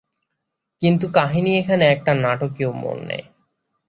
কিন্তু কাহিনি এখানে একটি নাটকীয় মোড় নেয়।